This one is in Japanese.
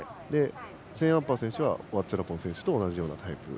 セーンアンパー選手はワッチャラポン選手と同じようなタイプ。